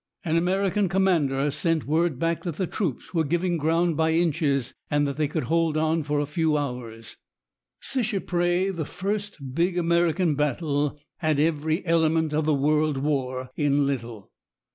An American commander sent word back that the troops were giving ground by inches, and that they could hold for a few hours. Seicheprey, the first big American battle, had every element of the World War in little.